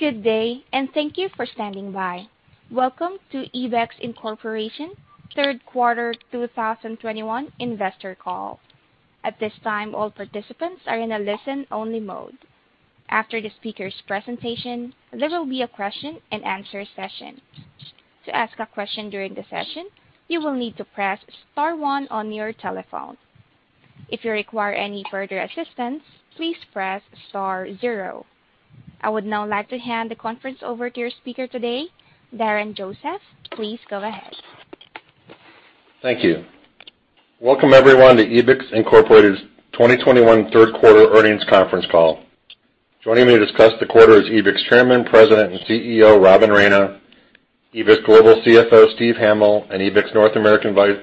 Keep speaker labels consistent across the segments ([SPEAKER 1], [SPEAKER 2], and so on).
[SPEAKER 1] Good day, thank you for standing by. Welcome to Ebix Inc. third quarter 2021 investor call. At this time, all participants are in a listen-only mode. After the speaker's presentation, there will be a question-and-answer session. To ask a question during the session, you will need to press star one on your telephone. If you require any further assistance, please press star zero. I would now like to hand the conference over to your speaker today, Darren Joseph. Please go ahead.
[SPEAKER 2] Thank you. Welcome everyone to Ebix Inc.'s 2021 third quarter earnings conference call. Joining me to discuss the quarter is Ebix Chairman, President, and CEO, Robin Raina, Ebix Global CFO, Steve Hamill, and Ebix North American Vice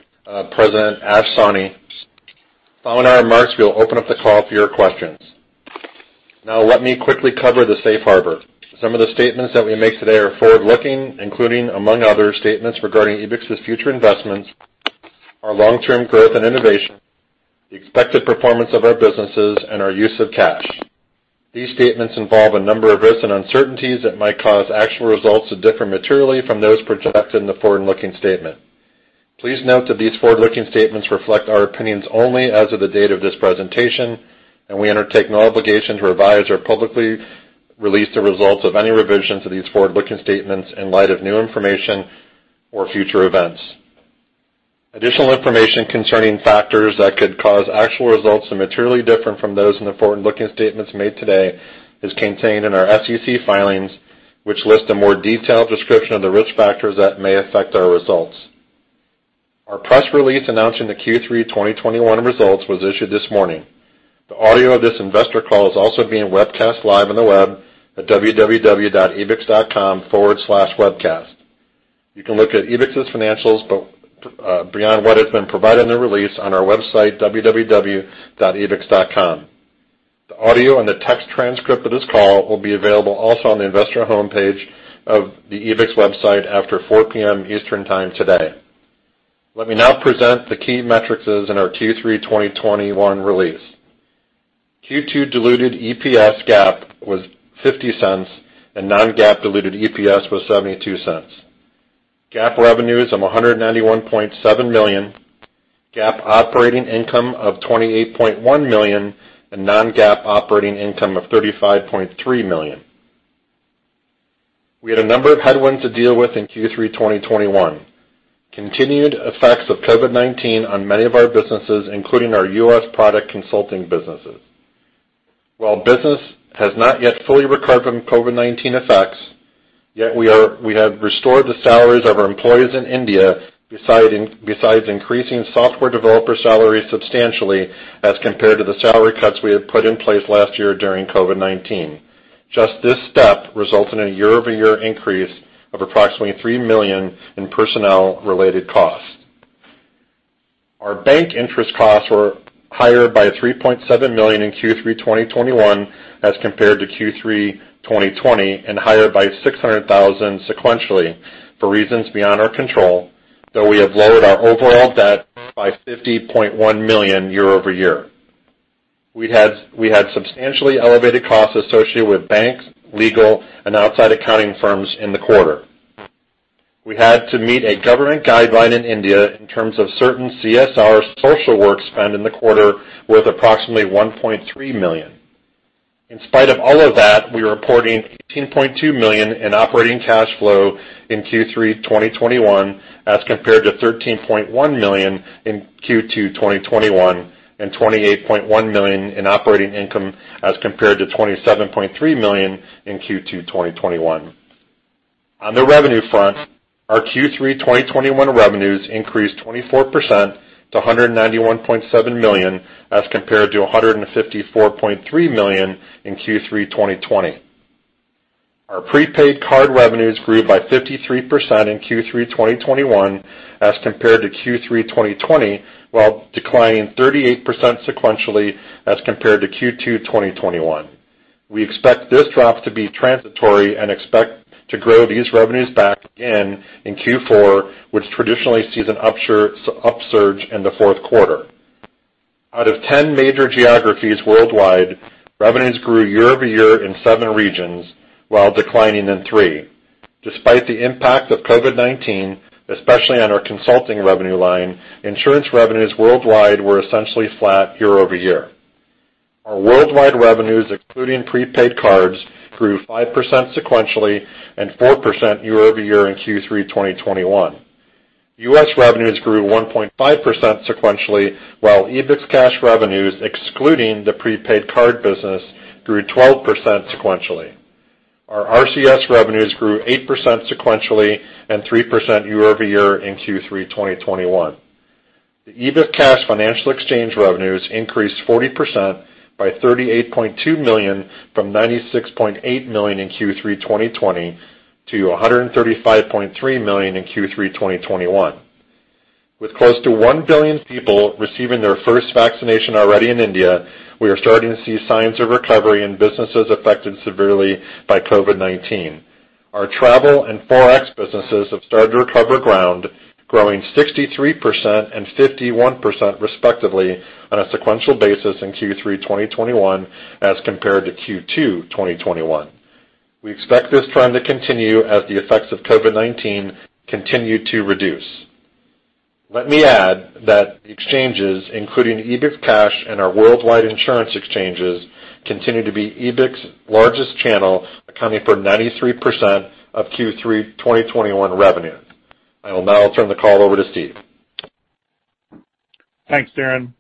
[SPEAKER 2] President, Ash Sawhney. Following our remarks, we'll open up the call for your questions. Now, let me quickly cover the safe harbor. Some of the statements that we make today are forward-looking, including among other statements regarding Ebix's future investments, our long-term growth and innovation, the expected performance of our businesses, and our use of cash. These statements involve a number of risks and uncertainties that might cause actual results to differ materially from those projected in the forward-looking statement. Please note that these forward-looking statements reflect our opinions only as of the date of this presentation, and we undertake no obligation to revise or publicly release the results of any revisions to these forward-looking statements in light of new information or future events. Additional information concerning factors that could cause actual results to materially differ from those in the forward-looking statements made today is contained in our SEC filings, which list a more detailed description of the risk factors that may affect our results. Our press release announcing the Q3 2021 results was issued this morning. The audio of this investor call is also being webcast live on the web at www.ebix.com/webcast. You can look at Ebix's financials beyond what has been provided in the release on our website, www.ebix.com. The audio and the text transcript of this call will be available also on the investor homepage of the Ebix website after 4:00 P.M. Eastern Time today. Let me now present the key metrics in our Q3 2021 release. Q2 diluted EPS GAAP was $0.50, and non-GAAP diluted EPS was $0.72. GAAP revenues of $191.7 million, GAAP operating income of $28.1 million, and non-GAAP operating income of $35.3 million. We had a number of headwinds to deal with in Q3 2021, continued effects of COVID-19 on many of our businesses, including our U.S. product consulting businesses. While business has not yet fully recovered from COVID-19 effects, we have restored the salaries of our employees in India, besides increasing software developer salaries substantially as compared to the salary cuts we had put in place last year during COVID-19. Just this step results in a year-over-year increase of approximately $3 million in personnel-related costs. Our bank interest costs were higher by $3.7 million in Q3 2021 as compared to Q3 2020, and higher by $600,000 sequentially for reasons beyond our control, though we have lowered our overall debt by $50.1 million year-over-year. We had substantially elevated costs associated with banks, legal, and outside accounting firms in the quarter. We had to meet a government guideline in India in terms of certain CSR social work spend in the quarter worth approximately $1.3 million. In spite of all of that, we are reporting $18.2 million in operating cash flow in Q3 2021 as compared to $13.1 million in Q2 2021, and $28.1 million in operating income as compared to $27.3 million in Q2 2021. On the revenue front, our Q3 2021 revenues increased 24% to $191.7 million as compared to $154.3 million in Q3 2020. Our prepaid card revenues grew by 53% in Q3 2021 as compared to Q3 2020, while declining 38% sequentially as compared to Q2 2021. We expect this drop to be transitory and expect to grow these revenues back again in Q4, which traditionally sees an upsurge in the fourth quarter. Out of 10 major geographies worldwide, revenues grew year-over-year in seven regions while declining in three. Despite the impact of COVID-19, especially on our consulting revenue line, insurance revenues worldwide were essentially flat year-over-year. Our worldwide revenues, including prepaid cards, grew 5% sequentially and 4% year-over-year in Q3 2021. U.S. revenues grew 1.5% sequentially, while EbixCash revenues, excluding the prepaid card business, grew 12% sequentially. Our RCS revenues grew 8% sequentially and 3% year-over-year in Q3 2021. The EbixCash financial exchange revenues increased 40% by $38.2 million from $96.8 million in Q3 2020 to $135.3 million in Q3 2021. With close to 1 billion people receiving their first vaccination already in India, we are starting to see signs of recovery in businesses affected severely by COVID-19. Our travel and Forex businesses have started to recover ground, growing 63% and 51% respectively on a sequential basis in Q3 2021 as compared to Q2 2021. We expect this trend to continue as the effects of COVID-19 continue to reduce. Let me add that exchanges, including EbixCash and our worldwide insurance exchanges, continue to be Ebix's largest channel, accounting for 93% of Q3 2021 revenue. I will now turn the call over to Steve.
[SPEAKER 3] Thanks, Darren.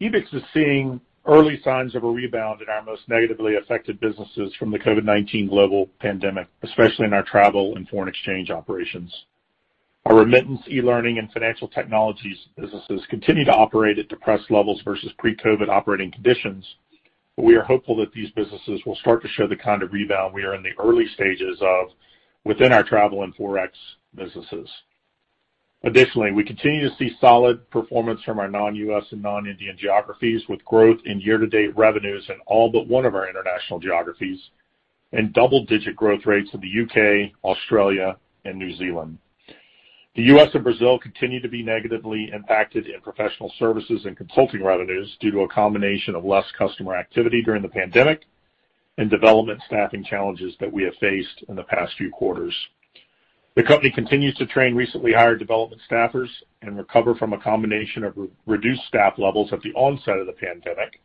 [SPEAKER 3] Ebix is seeing early signs of a rebound in our most negatively affected businesses from the COVID-19 global pandemic, especially in our travel and foreign exchange operations. Our remittance, e-learning, and financial technologies businesses continue to operate at depressed levels versus pre-COVID operating conditions. We are hopeful that these businesses will start to show the kind of rebound we are in the early stages of within our travel and Forex businesses. Additionally, we continue to see solid performance from our non-U.S. and non-Indian geographies, with growth in year-to-date revenues in all but one of our international geographies and double-digit growth rates in the U.K., Australia, and New Zealand. The U.S. and Brazil continue to be negatively impacted in professional services and consulting revenues due to a combination of less customer activity during the pandemic and development staffing challenges that we have faced in the past few quarters. The company continues to train recently hired development staffers and recover from a combination of reduced staff levels at the onset of the pandemic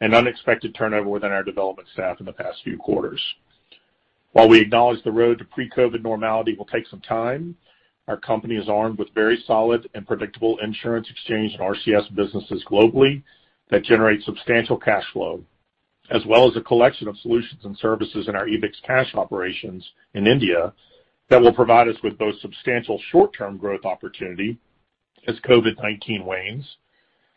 [SPEAKER 3] and unexpected turnover within our development staff in the past few quarters. While we acknowledge the road to pre-COVID normality will take some time, our company is armed with very solid and predictable insurance exchange and RCS businesses globally that generate substantial cash flow, as well as a collection of solutions and services in our EbixCash operations in India that will provide us with both substantial short-term growth opportunity as COVID-19 wanes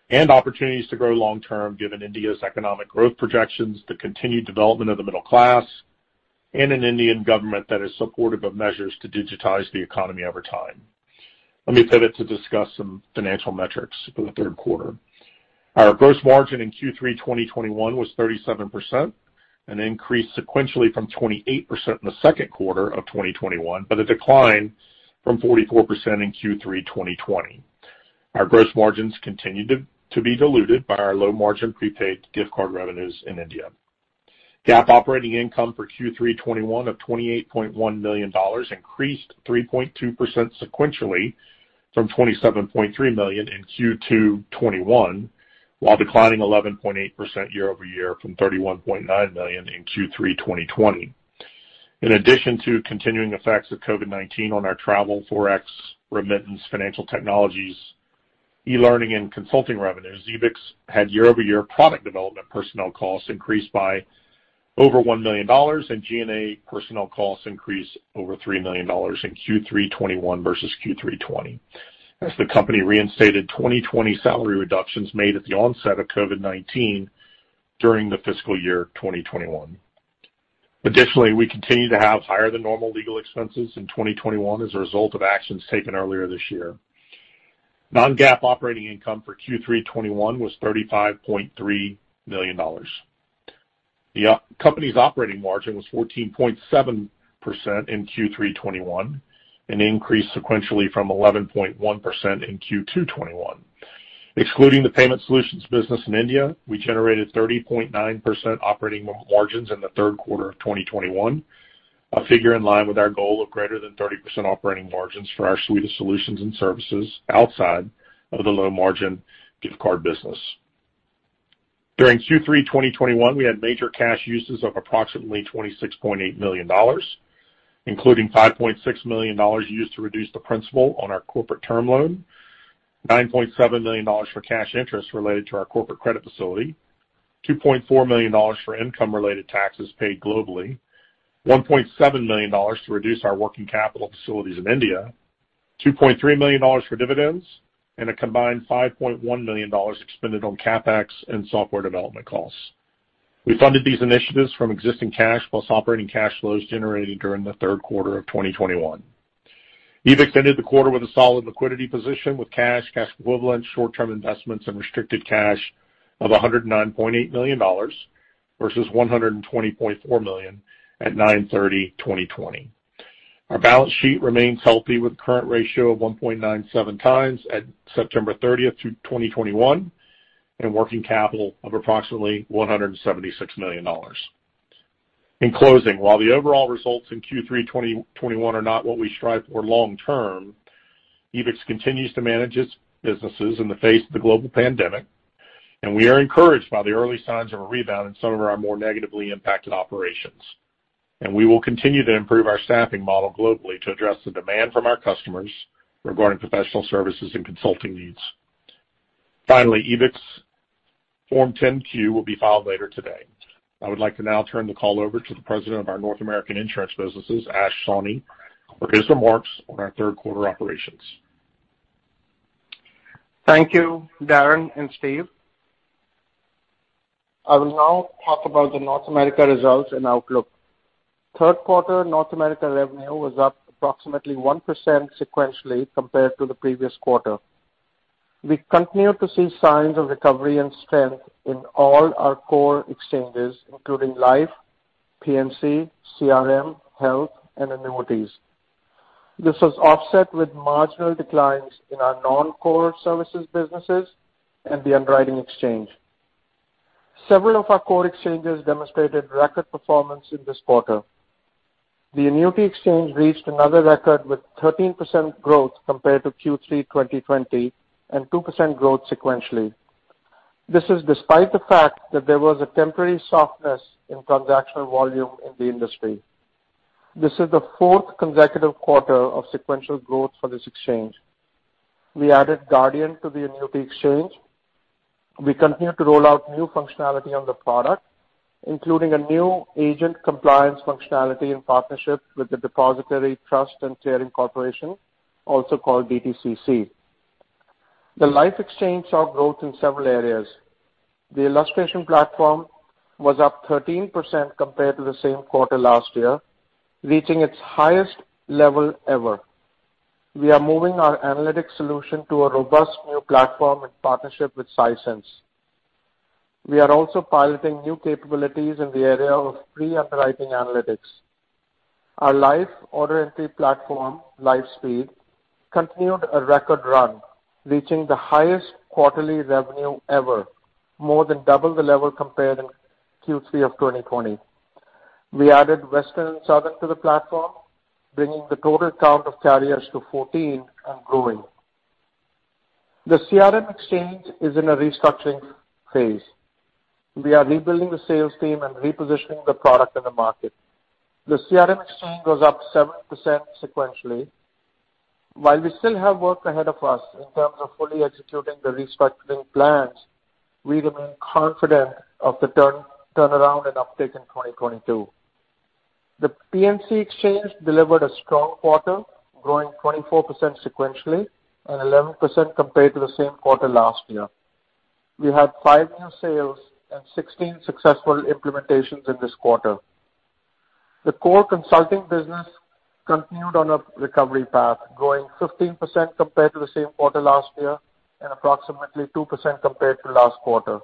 [SPEAKER 3] and opportunities to grow long term, given India's economic growth projections, the continued development of the middle class, and an Indian government that is supportive of measures to digitize the economy over time. Let me pivot to discuss some financial metrics for the third quarter. Our gross margin in Q3 2021 was 37%, an increase sequentially from 28% in the second quarter of 2021, but a decline from 44% in Q3 2020. Our gross margins continued to be diluted by our low-margin prepaid gift card revenues in India. GAAP operating income for Q3 2021 of $28.1 million increased 3.2% sequentially from $27.3 million in Q2 2021, while declining 11.8% year-over-year from $31.9 million in Q3 2020. In addition to continuing effects of COVID-19 on our travel, Forex, remittance, financial technologies, e-learning, and consulting revenues, Ebix had year-over-year product development personnel costs increased by over $1 million and G&A personnel costs increased over $3 million in Q3 2021 versus Q3 2020, as the company reinstated 2020 salary reductions made at the onset of COVID-19 during the fiscal year 2021. Additionally, we continue to have higher-than-normal legal expenses in 2021 as a result of actions taken earlier this year. Non-GAAP operating income for Q3 2021 was $35.3 million. The company's operating margin was 14.7% in Q3 2021, an increase sequentially from 11.1% in Q2 2021. Excluding the payment solutions business in India, we generated 30.9% operating margins in the third quarter of 2021, a figure in line with our goal of greater than 30% operating margins for our suite of solutions and services outside of the low-margin gift card business. During Q3 2021, we had major cash uses of approximately $26.8 million, including $5.6 million used to reduce the principal on our corporate term loan, $9.7 million for cash interest related to our corporate credit facility, $2.4 million for income-related taxes paid globally, $1.7 million to reduce our working capital facilities in India, $2.3 million for dividends, and a combined $5.1 million expended on CapEx and software development costs. We funded these initiatives from existing cash plus operating cash flows generated during the third quarter of 2021. Ebix ended the quarter with a solid liquidity position with cash equivalents, short-term investments, and restricted cash of $109.8 million versus $120.4 million at 9/30/2020. Our balance sheet remains healthy with current ratio of 1.97x at September 30, 2021, and working capital of approximately $176 million. In closing, while the overall results in Q3 2021 are not what we strive for long term, Ebix continues to manage its businesses in the face of the global pandemic, and we are encouraged by the early signs of a rebound in some of our more negatively impacted operations. We will continue to improve our staffing model globally to address the demand from our customers regarding professional services and consulting needs. Finally, Ebix Form 10-Q will be filed later today. I would like to now turn the call over to the president of our North American Insurance businesses, Ash Sawhney, for his remarks on our third quarter operations.
[SPEAKER 4] Thank you, Darren and Steve. I will now talk about the North America results and outlook. Third quarter North America revenue was up approximately 1% sequentially compared to the previous quarter. We continue to see signs of recovery and strength in all our core exchanges, including Life, P&C, CRM, Health, and Annuities. This was offset with marginal declines in our non-core services businesses and the underwriting exchange. Several of our core exchanges demonstrated record performance in this quarter. The annuity exchange reached another record with 13% growth compared to Q3 2020 and 2% growth sequentially. This is despite the fact that there was a temporary softness in transactional volume in the industry. This is the fourth consecutive quarter of sequential growth for this exchange. We added Guardian to the annuity exchange. We continue to roll out new functionality on the product, including a new agent compliance functionality and partnership with the Depository Trust & Clearing Corporation, also called DTCC. The life exchange saw growth in several areas. The illustration platform was up 13% compared to the same quarter last year, reaching its highest level ever. We are moving our analytic solution to a robust new platform in partnership with Sisense. We are also piloting new capabilities in the area of pre-underwriting analytics. Our life order entry platform, LifeSpeed, continued a record run, reaching the highest quarterly revenue ever, more than double the level compared in Q3 of 2020. We added Western & Southern to the platform, bringing the total count of carriers to 14 and growing. The CRM exchange is in a restructuring phase. We are rebuilding the sales team and repositioning the product in the market. The CRM exchange was up 7% sequentially. While we still have work ahead of us in terms of fully executing the restructuring plans, we remain confident of the turn, turnaround and uptick in 2022. The P&C exchange delivered a strong quarter, growing 24% sequentially and 11% compared to the same quarter last year. We had five new sales and 16 successful implementations in this quarter. The core consulting business continued on a recovery path, growing 15% compared to the same quarter last year and approximately 2% compared to last quarter.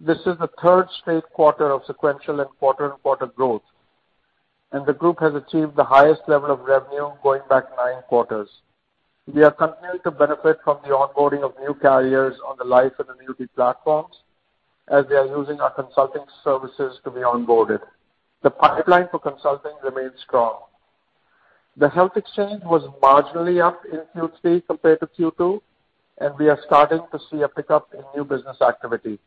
[SPEAKER 4] This is the third straight quarter of sequential and quarter-over-quarter growth, and the group has achieved the highest level of revenue going back nine quarters. We have continued to benefit from the onboarding of new carriers on the life and annuity platforms as they are using our consulting services to be onboarded. The pipeline for consulting remains strong. The health exchange was marginally up in Q3 compared to Q2, and we are starting to see a pickup in new business activity.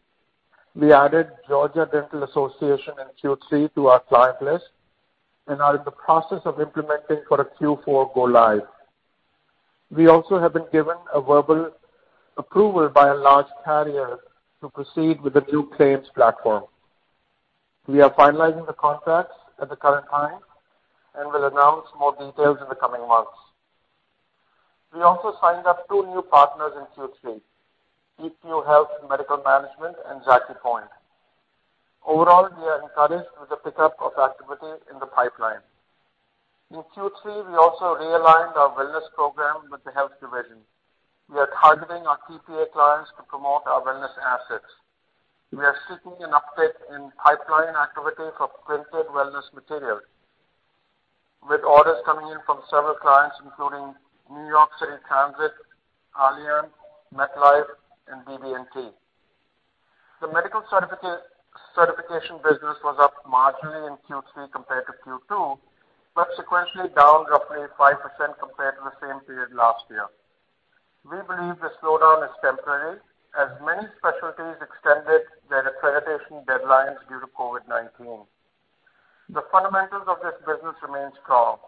[SPEAKER 4] We added Georgia Dental Association in Q3 to our client list and are in the process of implementing for a Q4 go live. We also have been given a verbal approval by a large carrier to proceed with the new claims platform. We are finalizing the contracts at the current time and will announce more details in the coming months. We also signed up two new partners in Q3, eQHealth Medical Management and Jackie Point. Overall, we are encouraged with the pickup of activity in the pipeline. In Q3, we also realigned our wellness program with the health division. We are targeting our TPA clients to promote our wellness assets. We are seeking an uptick in pipeline activity for printed wellness material, with orders coming in from several clients, including New York City Transit, Allianz, MetLife, and BB&T. The medical certification business was up marginally in Q3 compared to Q2, but sequentially down roughly 5% compared to the same period last year. We believe the slowdown is temporary as many specialties extended their accreditation deadlines due to COVID-19. The fundamentals of this business remain strong.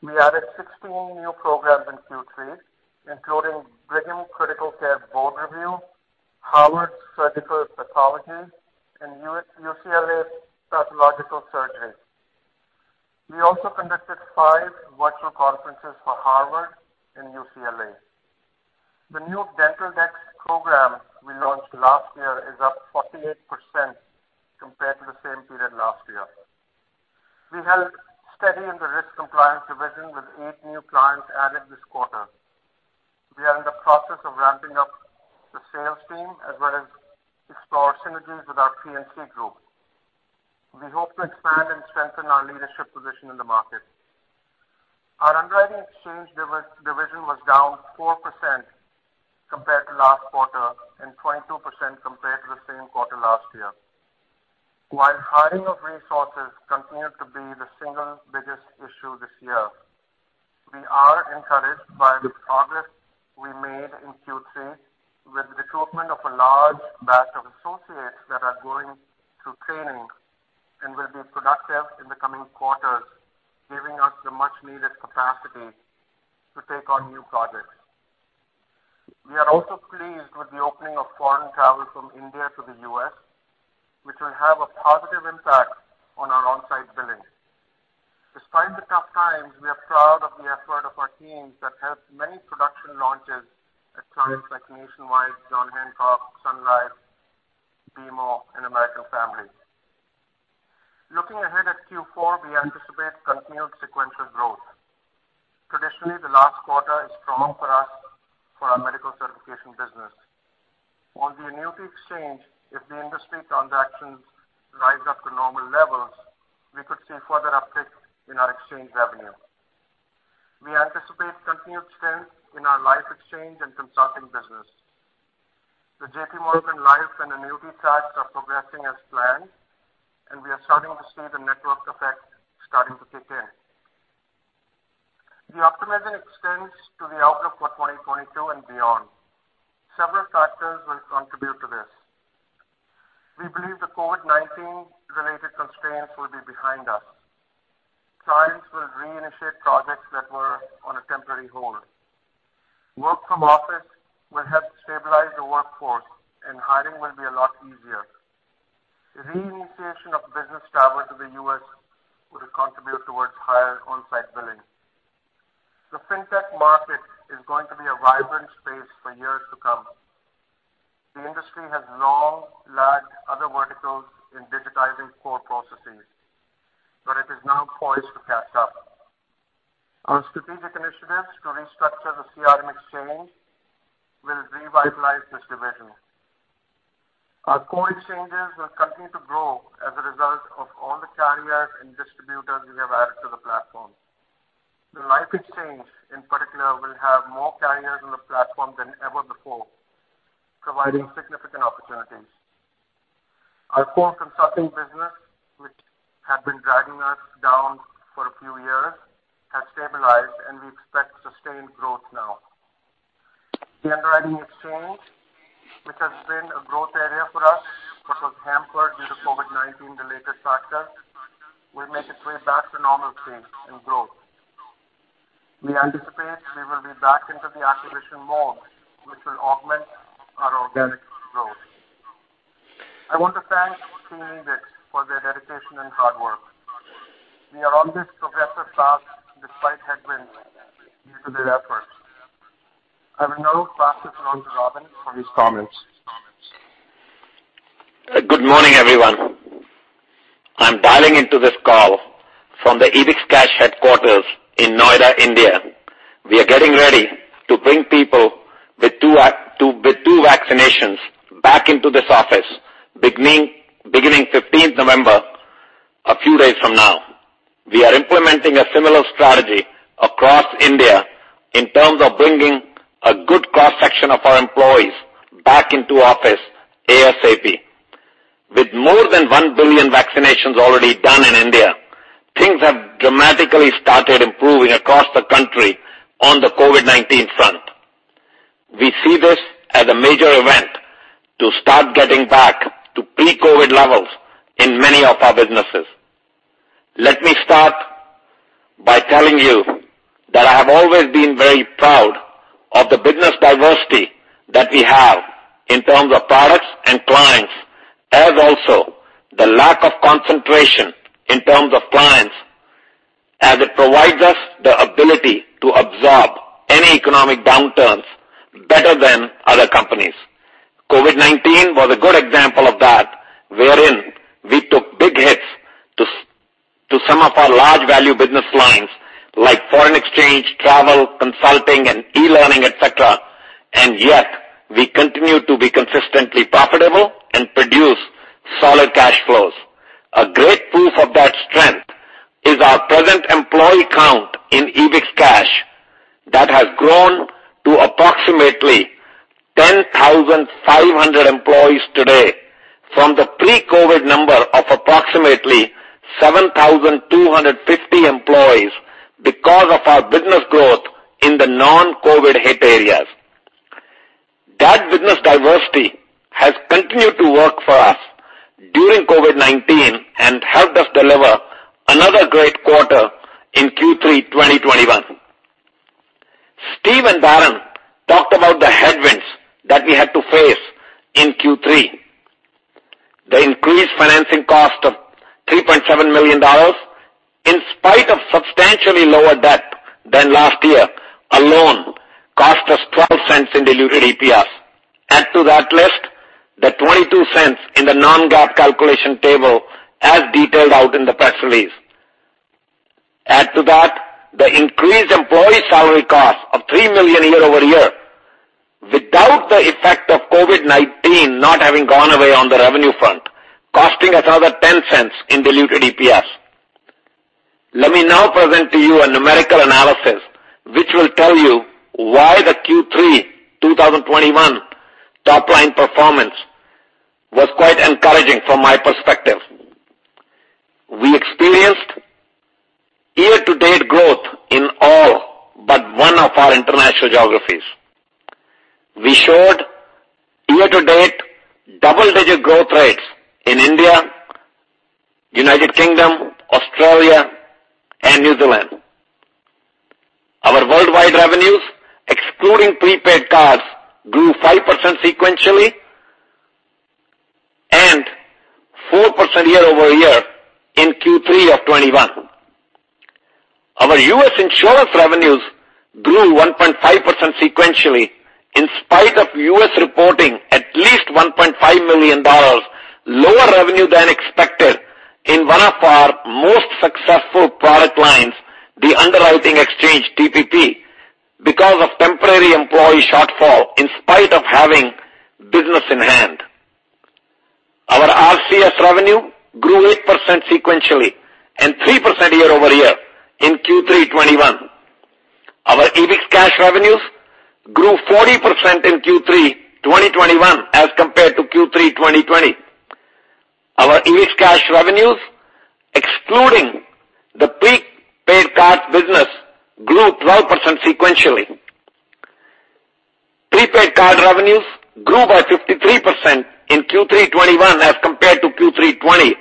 [SPEAKER 4] We added 16 new programs in Q3, including Brigham Critical Care Board Review, Harvard Surgical Pathology, and UCLA Surgical Pathology. We also conducted five virtual conferences for Harvard and UCLA. The new DentalDex program we launched last year is up 48% compared to the same period last year. We held steady in the risk compliance division with eight new clients added this quarter. We are in the process of ramping up the sales team as well as explore synergies with our P&C group. We hope to expand and strengthen our leadership position in the market. Our underwriting exchange division was down 4% compared to last quarter and 22% compared to the same quarter last year. While hiring of resources continued to be the single biggest issue this year, we are encouraged by the progress we made in Q3 with the recruitment of a large batch of associates that are going through training and will be productive in the coming quarters, giving us the much-needed capacity to take on new projects. We are also pleased with the opening of foreign travel from India to the U.S., which will have a positive impact on our on-site billing. Despite the tough times, we are proud of the effort of our teams that helped many production launches at clients like Nationwide, John Hancock, Sun Life, BMO, and American Family. Looking ahead at Q4, we anticipate. Traditionally, the last quarter is strong for us for our medical certification business. On the annuity exchange, if the industry transactions rise up to normal levels, we could see further uptick in our exchange revenue. We anticipate continued strength in our life exchange and consulting business. The JPMorgan Life and Annuity platform is progressing as planned, and we are starting to see the network effect starting to kick in. The optimism extends to the outlook for 2022 and beyond. Several factors will contribute to this. We believe the COVID-19 related constraints will be behind us. Clients will reinitiate projects that were on a temporary hold. Work from office will help stabilize the workforce and hiring will be a lot easier. Reinitiation of business travel to the U.S. will contribute towards higher on-site billing. The fintech market is going to be a vibrant space for years to come. The industry has long lagged other verticals in digitizing core processes, but it is now poised to catch up. Our strategic initiatives to restructure the CRM exchange will revitalize this division. Our core exchanges will continue to grow as a result of all the carriers and distributors we have added to the platform. The life exchange, in particular, will have more carriers on the platform than ever before, providing significant opportunities. Our core consulting business, which had been dragging us down for a few years, has stabilized, and we expect sustained growth now. The underwriting exchange, which has been a growth area for us but was hampered due to COVID-19 related factors, will make its way back to normal trends and growth. We anticipate we will be back into the acquisition mode, which will augment our organic growth. I want to thank Team Ebix for their dedication and hard work. We are on this progressive path despite headwinds due to their efforts. I will now pass it on to Robin for his comments.
[SPEAKER 5] Good morning, everyone. I'm dialing into this call from the EbixCash headquarters in Noida, India. We are getting ready to bring people with two vaccinations back into this office beginning fifteenth November, a few days from now. We are implementing a similar strategy across India in terms of bringing a good cross-section of our employees back into office ASAP. With more than 1 billion vaccinations already done in India, things have dramatically started improving across the country on the COVID-19 front. We see this as a major event to start getting back to pre-COVID levels in many of our businesses. Let me start by telling you that I have always been very proud of the business diversity that we have in terms of products and clients, as also the lack of concentration in terms of clients, as it provides us the ability to absorb any economic downturns better than other companies. COVID-19 was a good example of that, wherein we took big hits to some of our large value business lines like foreign exchange, travel, consulting, and e-learning, et cetera. Yet we continue to be consistently profitable and produce solid cash flows. A great proof of that strength is our present employee count in EbixCash that has grown to approximately 10,500 employees today from the pre-COVID number of approximately 7,250 employees because of our business growth in the non-COVID hit areas. That business diversity has continued to work for us during COVID-19 and helped us deliver another great quarter in Q3 2021. Steve and Darren talked about the headwinds that we had to face in Q3. The increased financing cost of $3.7 million, in spite of substantially lower debt than last year alone, cost us $0.12 in diluted EPS. Add to that list the $0.22 in the non-GAAP calculation table as detailed out in the press release. Add to that the increased employee salary cost of $3 million year-over-year without the effect of COVID-19 not having gone away on the revenue front, costing us another $0.10 in diluted EPS. Let me now present to you a numerical analysis which will tell you why the Q3 2021 top line performance was quite encouraging from my perspective. We experienced year-to-date growth in all but one of our international geographies. We showed year-to-date double-digit growth rates in India, United Kingdom, Australia, and New Zealand. Our worldwide revenues, excluding prepaid cards, grew 5% sequentially and 4% year-over-year in Q3 2021. Our U.S. insurance revenues grew 1.5% sequentially in spite of U.S. reporting $5 million lower revenue than expected in one of our most successful product lines, the underwriting exchange TPP, because of temporary employee shortfall in spite of having business in hand. Our RCS revenue grew 8% sequentially and 3% year-over-year in Q3 2021. Our EbixCash revenues grew 40% in Q3 2021 as compared to Q3 2020. Our EbixCash revenues, excluding the prepaid card business, grew 12% sequentially. Prepaid card revenues grew by 53% in Q3 2021 as compared to Q3 2020.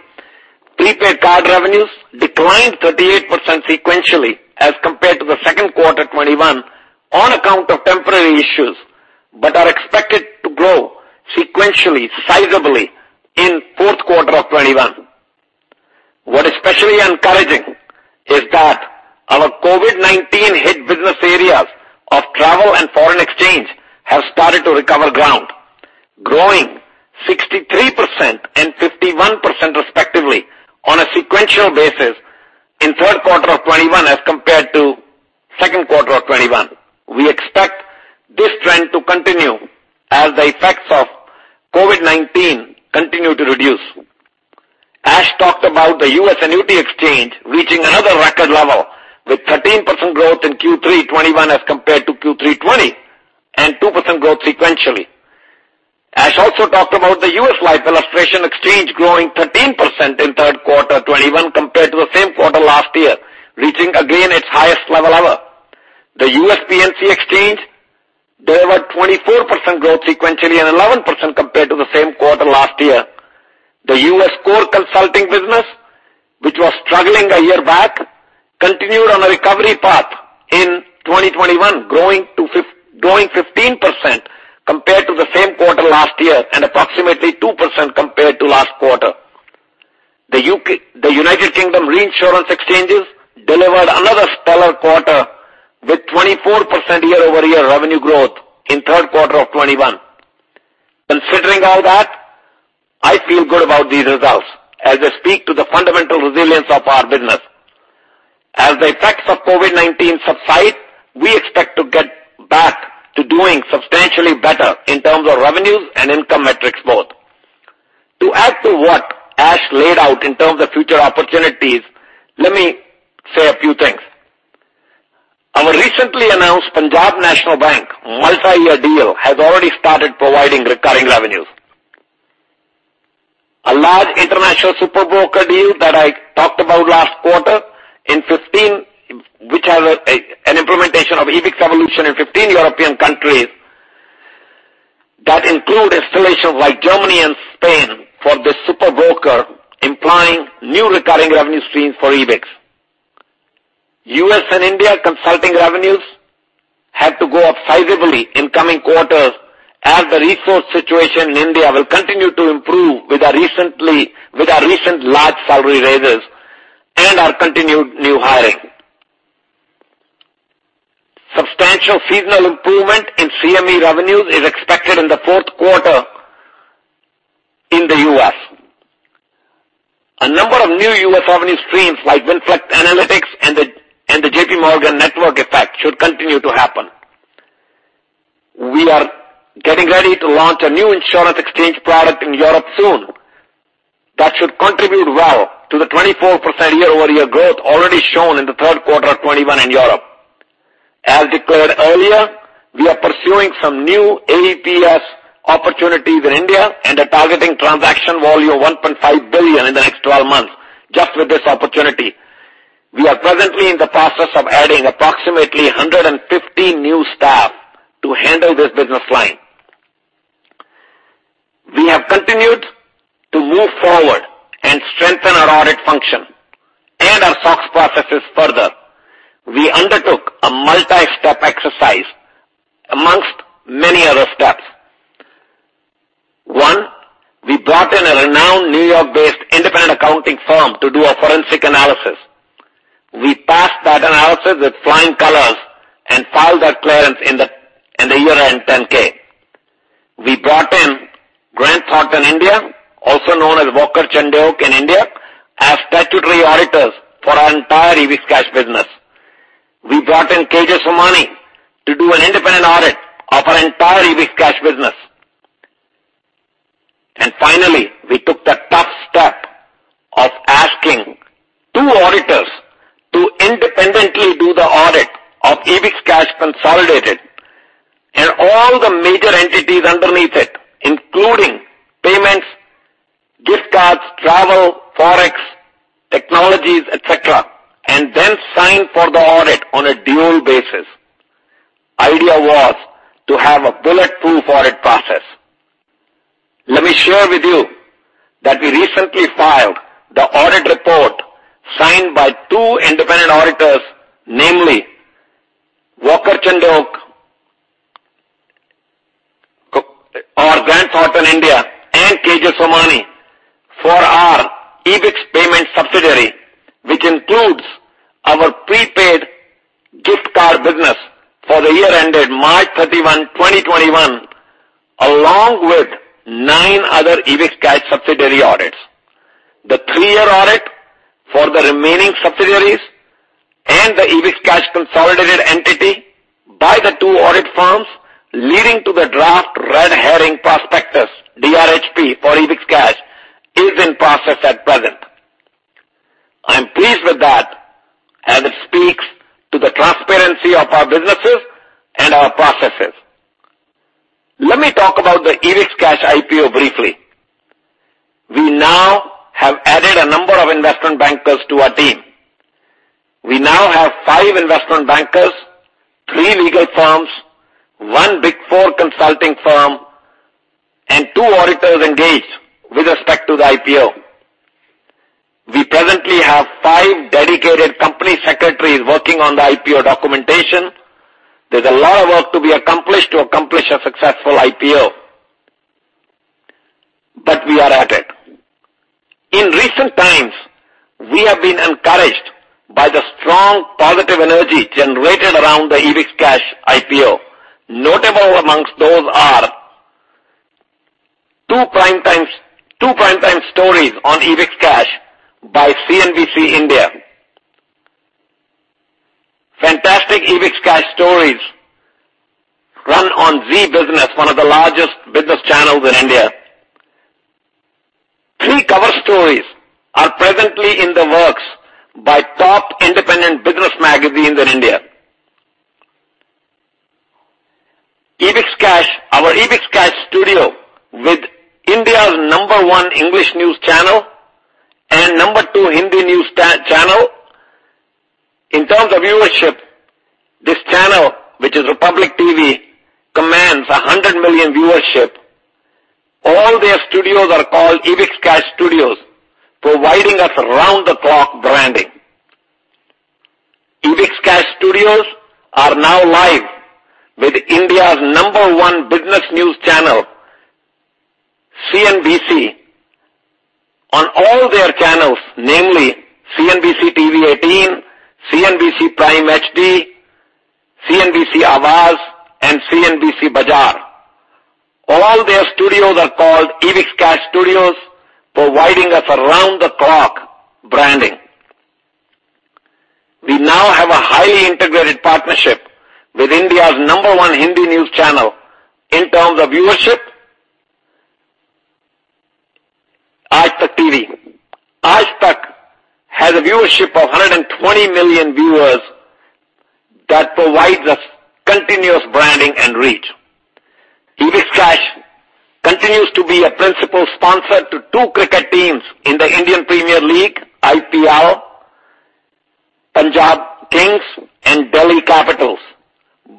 [SPEAKER 5] Prepaid card revenues declined 38% sequentially as compared to the second quarter 2021 on account of temporary issues, but are expected to grow sequentially, sizably in fourth quarter of 2021. What is especially encouraging is that our COVID-19 hit business areas of travel and foreign exchange have started to recover ground, growing 63% and 51% respectively on a sequential basis in third quarter of 2021 as compared to second quarter of 2021. We expect this trend to continue as the effects of COVID-19 continue to reduce. Ash talked about the U.S. annuity exchange reaching another record level with 13% growth in Q3 2021 as compared to Q3 2020 and 2% growth sequentially. Ash also talked about the U.S. life illustration exchange growing 13% in third quarter 2021 compared to the same quarter last year, reaching again its highest level ever. The U.S. P&C exchange delivered 24% growth sequentially and 11% compared to the same quarter last year. The U.S. core consulting business, which was struggling a year back, continued on a recovery path in 2021, growing 15% compared to the same quarter last year and approximately 2% compared to last quarter. The U.K. reinsurance exchanges delivered another stellar quarter with 24% year-over-year revenue growth in third quarter of 2021. Considering all that, I feel good about these results as they speak to the fundamental resilience of our business. As the effects of COVID-19 subside, we expect to get back to doing substantially better in terms of revenues and income metrics both. To add to what Ash laid out in terms of future opportunities, let me say a few things. Our recently announced Punjab National Bank multi-year deal has already started providing recurring revenues. A large international super broker deal that I talked about last quarter which has an implementation of Ebix Evolution in 15 European countries that include installations like Germany and Spain for this super broker, implying new recurring revenue stream for Ebix. U.S. and India consulting revenues have to go up sizably in coming quarters as the resource situation in India will continue to improve with our recent large salary raises and our continued new hiring. Substantial seasonal improvement in CME revenues is expected in the fourth quarter in the U.S. A number of new U.S. revenue streams like WinFlex Analytics and the JPMorgan network effect should continue to happen. We are getting ready to launch a new insurance exchange product in Europe soon. That should contribute well to the 24% year-over-year growth already shown in the third quarter of 2021 in Europe. As declared earlier, we are pursuing some new AEPS opportunities in India and are targeting transaction volume 1.5 billion in the next 12 months just with this opportunity. We are presently in the process of adding approximately 150 new staff to handle this business line. We have continued to move forward and strengthen our audit function and our SOX processes further. We undertook a multi-step exercise among many other steps. One, we brought in a renowned New York-based independent accounting firm to do a forensic analysis. We passed that analysis with flying colors and filed that clearance in the year-end 10-K. We brought in Grant Thornton India, also known as Walker Chandiok in India, as statutory auditors for our entire EbixCash business. We brought in K. G. Somani & Co to do an independent audit of our entire EbixCash business. Finally, we took the tough step of asking two auditors to independently do the audit of EbixCash consolidated and all the major entities underneath it, including payments, gift cards, travel, forex, technologies, etc. and then sign for the audit on a dual basis. The idea was to have a bulletproof audit process. Let me share with you that we recently filed the audit report signed by two independent auditors, namely Walker Chandiok or Grant Thornton India and K. G. Somani & Co for the year ended March 31, 2021, along with nine other EbixCash subsidiary audits. The three-year audit for the remaining subsidiaries and the EbixCash consolidated entity by the two audit firms leading to the Draft Red Herring Prospectus, DRHP, for EbixCash is in process at present. I'm pleased with that, as it speaks to the transparency of our businesses and our processes. Let me talk about the EbixCash IPO briefly. We now have added a number of investment bankers to our team. We now have five investment bankers, three legal firms, one Big 4 consulting firm, and two auditors engaged with respect to the IPO. We presently have five dedicated company secretaries working on the IPO documentation. There's a lot of work to be accomplished to accomplish a successful IPO. We are at it. In recent times, we have been encouraged by the strong positive energy generated around the EbixCash IPO. Notable amongst those are two prime time stories on EbixCash by CNBC India. Fantastic EbixCash stories run on Zee Business, one of the largest business channels in India. Three cover stories are presently in the works by top independent business magazines in India. Our EbixCash studio with India's number one English news channel and number two Hindi news channel. In terms of viewership, this channel, which is Republic TV, commands a 100 million viewership. All their studios are called EbixCash Studios, providing us around-the-clock branding. EbixCash Studios are now live with India's number one business news channel, CNBC, on all their channels, namely CNBC-TV18, CNBC-TV18 Prime HD, CNBC Awaaz, and CNBC Bajar. All their studios are called EbixCash Studios, providing us around-the-clock branding. We now have a highly integrated partnership with India's number one Hindi news channel in terms of viewership, Aaj Tak TV. Aaj Tak has a viewership of 120 million viewers that provides us continuous branding and reach. EbixCash continues to be a principal sponsor to two cricket teams in the Indian Premier League, IPL, Punjab Kings and Delhi Capitals.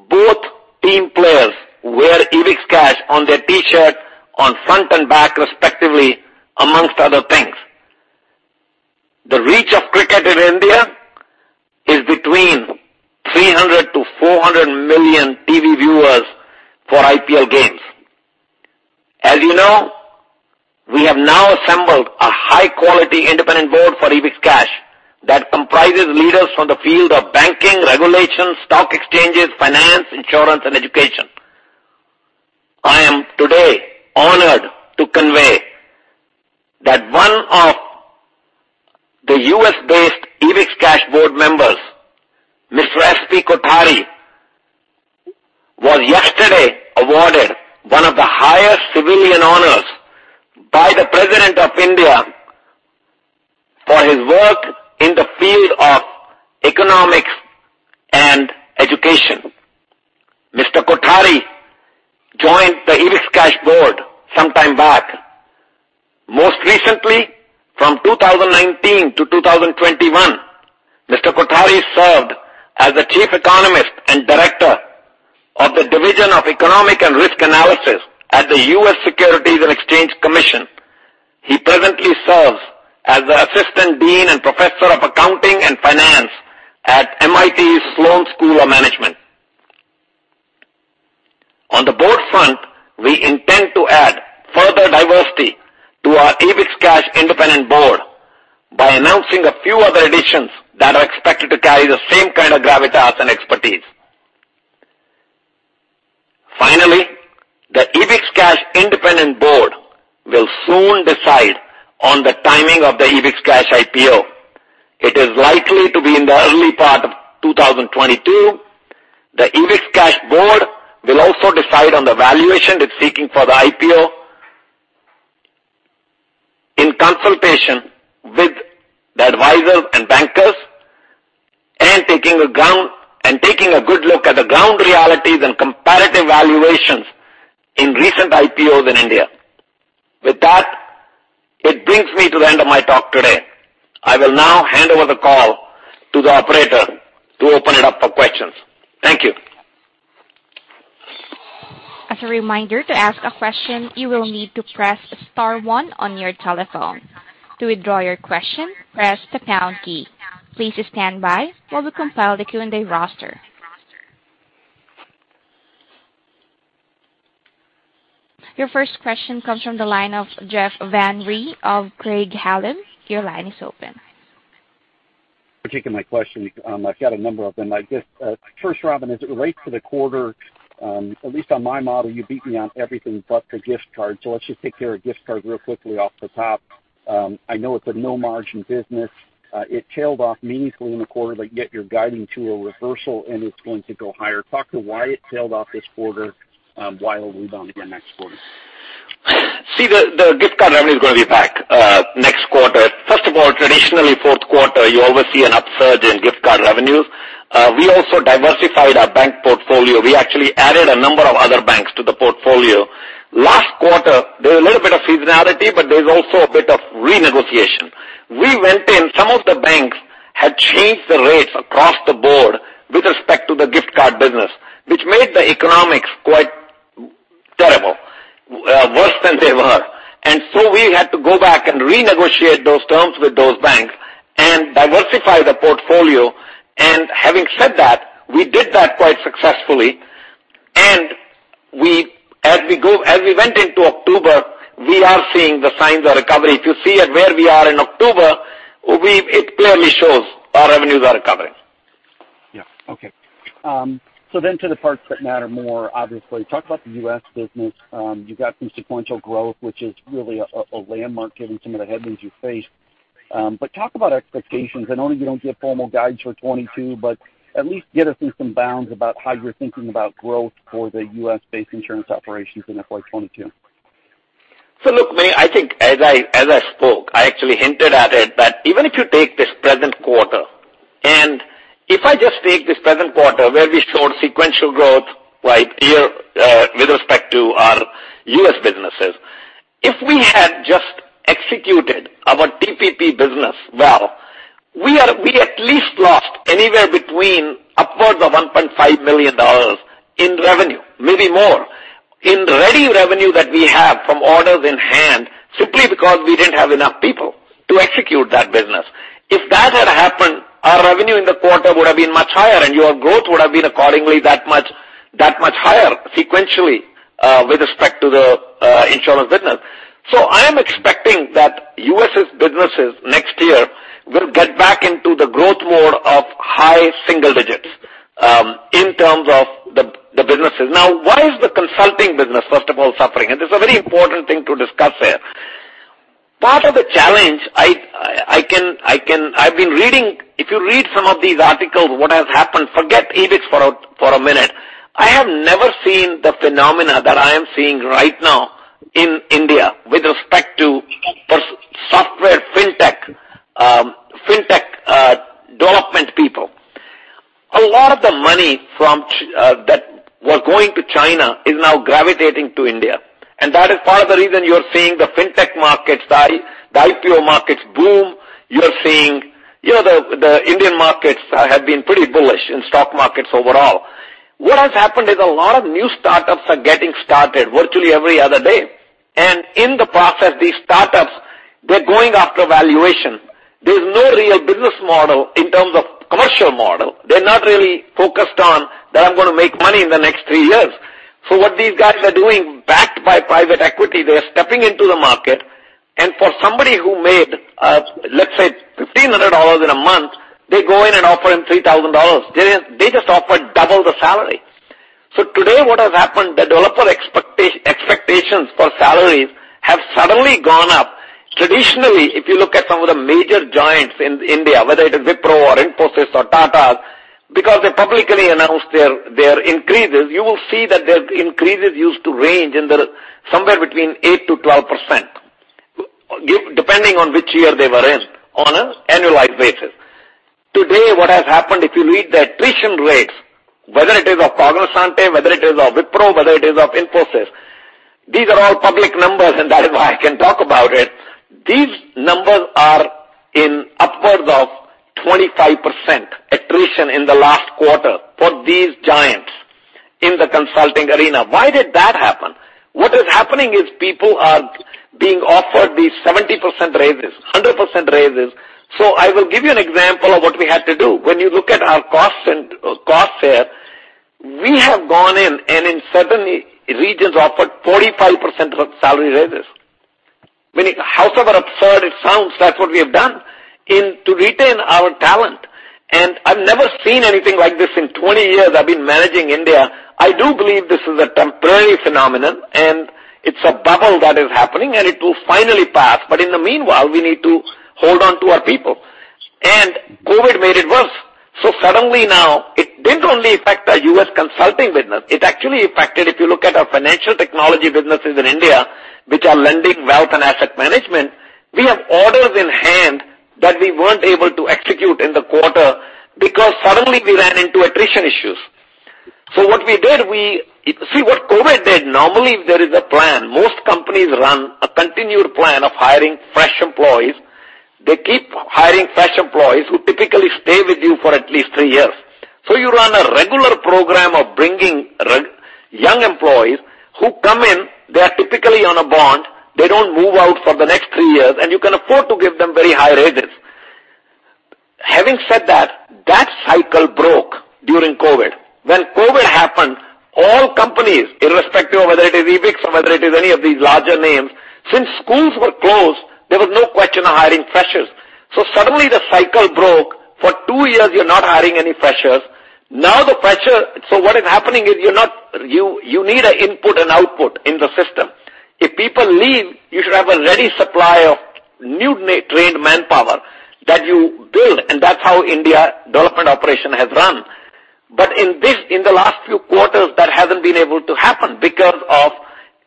[SPEAKER 5] Both team players wear EbixCash on their T-shirt on front and back, respectively, among other things. The reach of cricket in India is between 300-400 million TV viewers for IPL games. As you know, we have now assembled a high-quality independent board for EbixCash that comprises leaders from the field of banking, regulation, stock exchanges, finance, insurance, and education. I am today honored to convey that one of the U.S.-based EbixCash board members, Mr. SP Kothari, was yesterday awarded one of the highest civilian honors by the President of India for his work in the field of economics and education. Mr. Kothari joined the EbixCash board some time back. Most recently, from 2019-2021, Mr. Kothari served as the Chief Economist and Director of the Division of Economic and Risk Analysis at the U.S. Securities and Exchange Commission. He presently serves as the Assistant Dean and Professor of Accounting and Finance at MIT Sloan School of Management. On the board front, we intend to add further diversity to our EbixCash independent board by announcing a few other additions that are expected to carry the same kind of gravitas and expertise. Finally, the EbixCash independent board will soon decide on the timing of the EbixCash IPO. It is likely to be in the early part of 2022. The EbixCash board will also decide on the valuation it's seeking for the IPO in consultation with the advisors and bankers and taking a good look at the ground realities and comparative valuations in recent IPOs in India. With that, it brings me to the end of my talk today. I will now hand over the call to the operator to open it up for questions. Thank you.
[SPEAKER 1] As a reminder, to ask a question, you will need to press star one on your telephone. To withdraw your question, press the pound key. Please stand by while we compile the Q&A roster. Your first question comes from the line of Jeff Van Rhee of Craig-Hallum. Your line is open.
[SPEAKER 6] Taking my question, I've got a number of them. I just first, Robin, as it relates to the quarter, at least on my model, you beat me on everything but the gift card. Let's just take care of gift card real quickly off the top. I know it's a no-margin business. It tailed off meaningfully in the quarter, but yet you're guiding to a reversal, and it's going to go higher. Talk to why it tailed off this quarter, why it'll rebound again next quarter.
[SPEAKER 5] See, the gift card revenue is gonna be back next quarter. First of all, traditionally, fourth quarter, you always see an upsurge in gift card revenues. We also diversified our bank portfolio. We actually added a number of other banks to the portfolio. Last quarter, there was a little bit of seasonality, but there's also a bit of renegotiation. We went in. Some of the banks had changed the rates across the board with respect to the gift card business, which made the economics quite terrible, worse than they were. We had to go back and renegotiate those terms with those banks and diversify the portfolio. Having said that, we did that quite successfully. As we went into October, we are seeing the signs of recovery. If you see at where we are in October, it clearly shows our revenues are recovering.
[SPEAKER 6] Yeah. Okay. To the parts that matter more, obviously. Talk about the U.S. business. You got some sequential growth, which is really a landmark given some of the headwinds you faced. Talk about expectations. I know you don't give formal guides for 2022, but at least get us in some bounds about how you're thinking about growth for the U.S.-based insurance operations in FY 2022.
[SPEAKER 5] Look, I think as I spoke, I actually hinted at it, that even if you take this present quarter and if I just take this present quarter where we showed sequential growth like here, with respect to our U.S. businesses, if we had just executed our TPP business well, we at least lost anywhere between upwards of $1.5 million in revenue, maybe more, in ready revenue that we have from orders in hand, simply because we didn't have enough people to execute that business. If that had happened, our revenue in the quarter would have been much higher, and your growth would have been accordingly that much higher sequentially, with respect to the insurance business. I am expecting that U.S.' businesses next year will get back into the growth mode of high single digits in terms of the businesses. Now, why is the consulting business, first of all, suffering? This is a very important thing to discuss here. Part of the challenge I've been reading. If you read some of these articles, what has happened, forget Ebix for a minute. I have never seen the phenomena that I am seeing right now in India with respect to software, fintech development people. A lot of the money that were going to China is now gravitating to India. That is part of the reason you're seeing the fintech markets, the IPO markets boom. You're seeing, you know, the Indian markets have been pretty bullish in stock markets overall. What has happened is a lot of new startups are getting started virtually every other day. In the process, these startups, they're going after valuation. There's no real business model in terms of commercial model. They're not really focused on that I'm gonna make money in the next three years. What these guys are doing, backed by private equity, they are stepping into the market. For somebody who made, let's say $1,500 in a month, they go in and offer him $3,000. They just offer double the salary. Today, what has happened, the developer expectations for salaries have suddenly gone up. Traditionally, if you look at some of the major giants in India, whether it is Wipro or Infosys or Tata, because they publicly announce their increases, you will see that their increases used to range somewhere between 8%-12% depending on which year they were in on an annualized basis. Today, what has happened, if you read the attrition rates, whether it is of Cognizant, whether it is of Wipro, whether it is of Infosys, these are all public numbers, and that is why I can talk about it. These numbers are upwards of 25% attrition in the last quarter for these giants in the consulting arena. Why did that happen? What is happening is people are being offered these 70% raises, 100% raises. I will give you an example of what we had to do. When you look at our costs and costs here, we have gone in, and in certain regions offered 45% salary raises. Meaning, however absurd it sounds, that's what we have done to retain our talent. I've never seen anything like this in 20 years I've been managing India. I do believe this is a temporary phenomenon, and it's a bubble that is happening, and it will finally pass. In the meanwhile, we need to hold on to our people. COVID made it worse. Suddenly now, it didn't only affect our U.S. consulting business, it actually affected, if you look at our financial technology businesses in India, which are lending wealth and asset management, we have orders in hand that we weren't able to execute in the quarter because suddenly we ran into attrition issues. What we did, we... See, what COVID did, normally there is a plan. Most companies run a continued plan of hiring fresh employees. They keep hiring fresh employees who typically stay with you for at least three years. You run a regular program of bringing young employees who come in, they are typically on a bond. They don't move out for the next three years, and you can afford to give them very high raises. Having said that cycle broke during COVID. When COVID happened, all companies, irrespective of whether it is Ebix or whether it is any of these larger names, since schools were closed, there was no question of hiring freshers. Suddenly the cycle broke. For two years, you're not hiring any freshers. Now what is happening is you need an input and output in the system. If people leave, you should have a ready supply of newly trained manpower that you build, and that's how India development operation has run. In this, in the last few quarters, that hasn't been able to happen because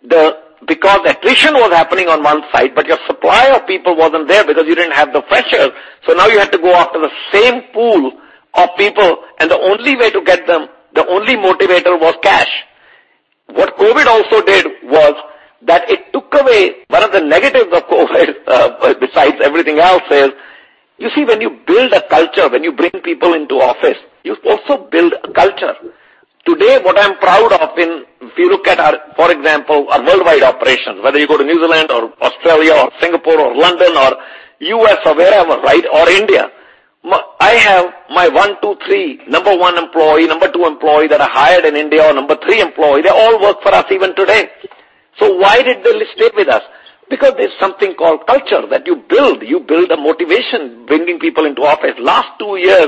[SPEAKER 5] attrition was happening on one side, but your supply of people wasn't there because you didn't have the freshers. Now you have to go after the same pool of people, and the only way to get them, the only motivator was cash. What COVID also did was that it took away. One of the negatives of COVID, besides everything else, is you see, when you build a culture, when you bring people into office, you also build a culture. Today, what I'm proud of, if you look at our, for example, our worldwide operations, whether you go to New Zealand or Australia or Singapore or London or U.S. or wherever, right? Or India. I have my one, two, three, number one employee, number three employee that I hired in India or number three employee, they all work for us even today. Why did they stick with us? Because there's something called culture that you build. You build a motivation bringing people into office. Last two years,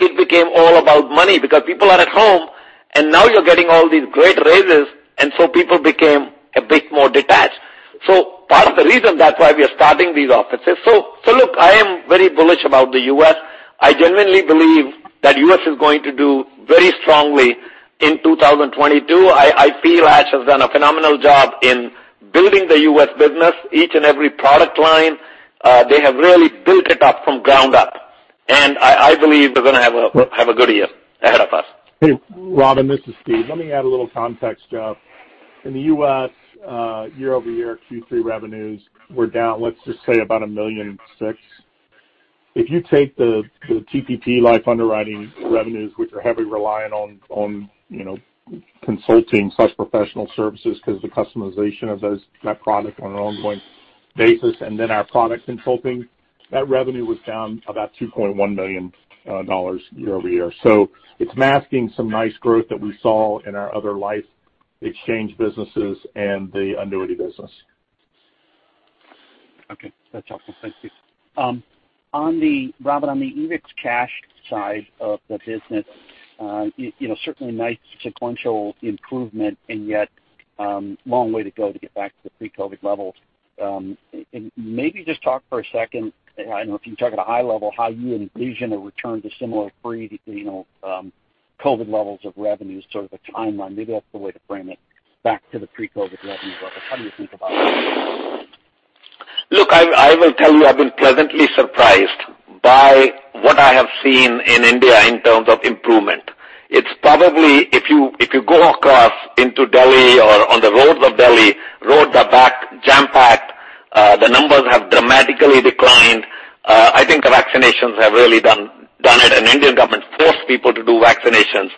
[SPEAKER 5] it became all about money because people are at home, and now you're getting all these great raises, and so people became a bit more detached. Part of the reason that's why we are starting these offices. Look, I am very bullish about the U.S. I genuinely believe that the U.S. is going to do very strongly in 2022. I feel Ash has done a phenomenal job in building the U.S. business. Each and every product line, they have really built it up from ground up. I believe we're gonna have a good year ahead of us.
[SPEAKER 3] Hey, Robin, this is Steve. Let me add a little context, Joe. In the U.S., year-over-year Q3 revenues were down, let's just say about $1.6 million. If you take the TPP life underwriting revenues, which are heavily reliant on, you know, consulting such professional services 'cause the customization of those, that product on an ongoing basis, and then our product consulting, that revenue was down about $2.1 million year-over-year. It's masking some nice growth that we saw in our other life exchange businesses and the annuity business.
[SPEAKER 6] Okay. That's helpful. Thanks, Steve. Robin, on the EbixCash side of the business, you know, certainly nice sequential improvement and yet, long way to go to get back to the pre-COVID levels. And maybe just talk for a second, I don't know, if you can talk at a high level, how you envision a return to similar pre, you know, COVID levels of revenue, sort of a timeline. Maybe that's the way to frame it back to the pre-COVID revenue levels. How do you think about it?
[SPEAKER 5] Look, I will tell you, I've been pleasantly surprised by what I have seen in India in terms of improvement. It's probably if you go across into Delhi or on the roads of Delhi, roads are back jam-packed. The numbers have dramatically declined. I think vaccinations have really done it, and Indian government forced people to do vaccinations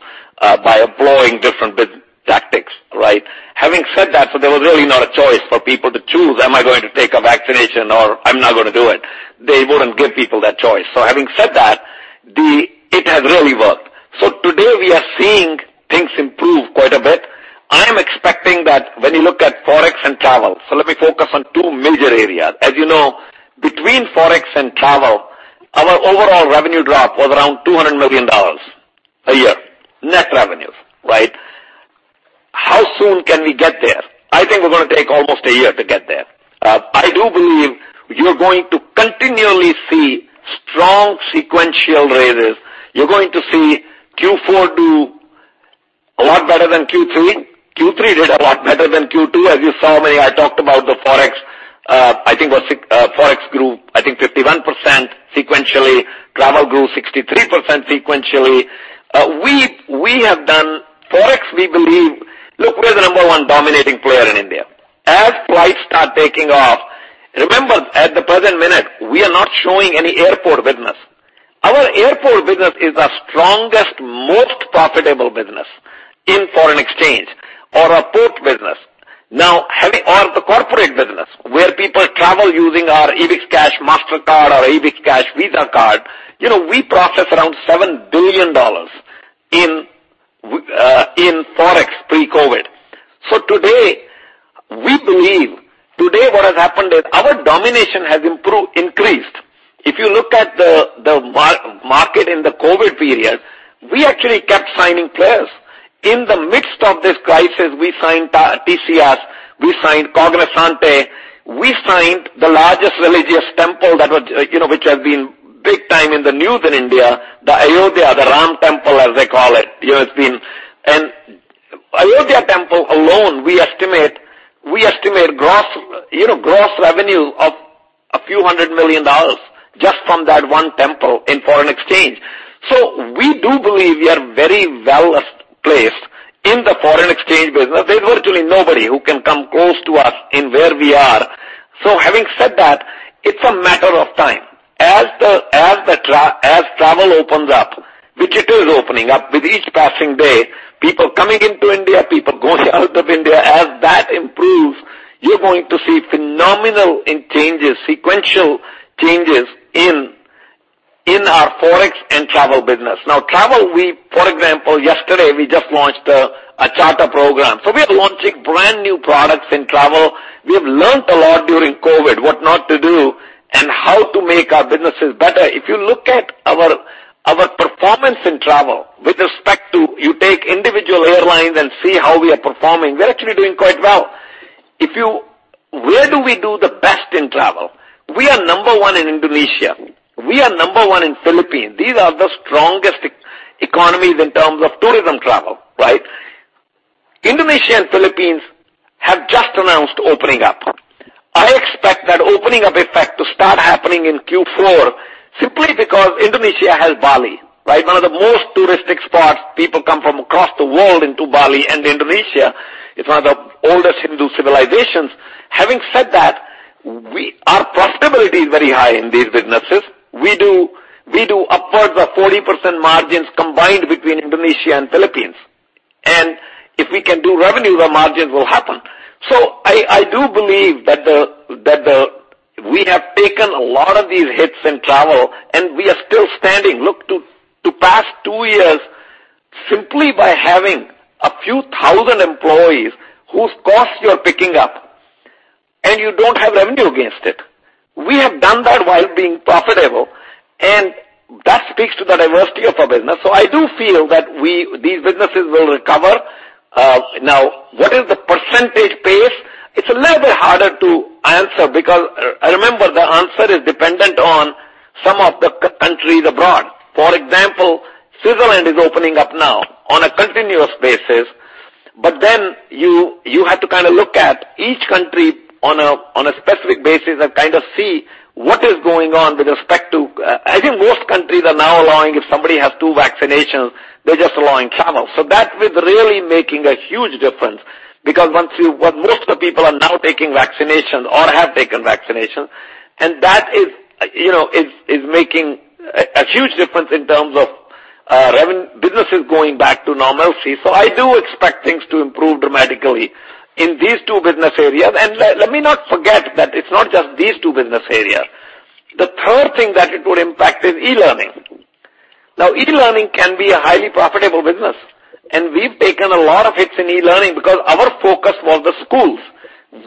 [SPEAKER 5] by employing different business tactics, right? Having said that, there was really not a choice for people to choose, "Am I going to take a vaccination or I'm not gonna do it?" They wouldn't give people that choice. Having said that, it has really worked. Today we are seeing things improve quite a bit. I am expecting that when you look at Forex and travel, let me focus on two major areas. As you know, between Forex and travel, our overall revenue drop was around $200 million a year. Net revenues, right? How soon can we get there? I think we're gonna take almost a year to get there. I do believe you're going to continually see strong sequential raises. You're going to see Q4 do a lot better than Q3. Q3 did a lot better than Q2. As you saw, I talked about the Forex. I think Forex grew 51% sequentially. Travel grew 63% sequentially. We have done Forex, we believe. Look, we're the number one dominating player in India. As flights start taking off, remember, at the present moment, we are not showing any airport business. Our airport business is our strongest, most profitable business in foreign exchange or our port business. Now, or the corporate business, where people travel using our EbixCash Mastercard or EbixCash Visa card, you know, we process around $7 billion in Forex pre-COVID. So today, we believe today what has happened is our domination has improved, increased. If you look at the market in the COVID period, we actually kept signing players. In the midst of this crisis, we signed TCS, we signed Cognizant, we signed the largest religious temple that was, you know, which has been big time in the news in India, the Ayodhya Ram Temple, as they call it. You know, it's been. Ayodhya temple alone, we estimate gross revenue of a few hundred million dollars just from that one temple in foreign exchange. So we do believe we are very well placed in the foreign exchange business. There's virtually nobody who can come close to us in where we are. Having said that, it's a matter of time. As travel opens up, which it is opening up with each passing day, people coming into India, people going out of India, as you're going to see phenomenal changes, sequential changes in our Forex and travel business. Now, travel, for example, yesterday, we just launched a charter program. We are launching brand new products in travel. We have learned a lot during COVID what not to do and how to make our businesses better. If you look at our performance in travel with respect to, you take individual airlines and see how we are performing, we're actually doing quite well. Where do we do the best in travel? We are number one in Indonesia. We are number one in Philippines. These are the strongest economies in terms of tourism travel, right? Indonesia and Philippines have just announced opening up. I expect that opening up effect to start happening in Q4 simply because Indonesia has Bali, right? One of the most touristic spots. People come from across the world into Bali and Indonesia. It's one of the oldest Hindu civilizations. Having said that, our profitability is very high in these businesses. We do upwards of 40% margins combined between Indonesia and Philippines. If we can do revenue, the margins will happen. I do believe that we have taken a lot of these hits in travel, and we are still standing. Look, to the past two years, simply by having a few thousand employees whose costs you're picking up and you don't have revenue against it, we have done that while being profitable, and that speaks to the diversity of our business. I do feel that we these businesses will recover. Now, what is the percentage pace? It's a little bit harder to answer because, remember, the answer is dependent on some of the countries abroad. For example, Switzerland is opening up now on a continuous basis. You have to kinda look at each country on a specific basis and kind of see what is going on with respect to. I think most countries are now allowing if somebody has two vaccinations, they're just allowing travel. That is really making a huge difference because what most of the people are now taking vaccinations or have taken vaccinations, and that is making a huge difference in terms of businesses going back to normalcy. I do expect things to improve dramatically in these two business areas. Let me not forget that it's not just these two business areas. The third thing that it would impact is e-learning. Now, e-learning can be a highly profitable business, and we've taken a lot of hits in e-learning because our focus was the schools.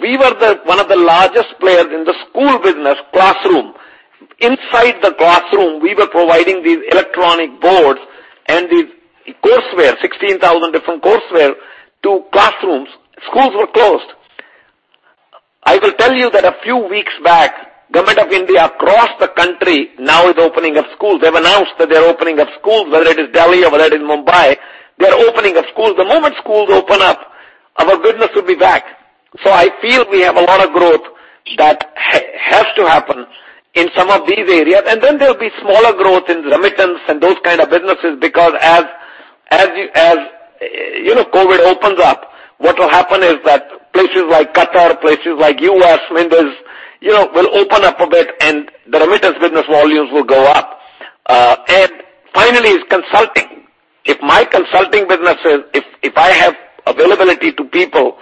[SPEAKER 5] We were one of the largest players in the school business classroom. Inside the classroom, we were providing these electronic boards and these courseware, 16,000 different courseware to classrooms. Schools were closed. I will tell you that a few weeks back, Government of India across the country now is opening up schools. They've announced that they're opening up schools, whether it is Delhi or whether it is Mumbai. They're opening up schools. The moment schools open up, our business will be back. I feel we have a lot of growth that has to happen in some of these areas. There'll be smaller growth in remittance and those kind of businesses because, as you know, COVID opens up, what will happen is that places like Qatar, places like U.S., windows, you know, will open up a bit and the remittance business volumes will go up. Finally is consulting. If I have availability to people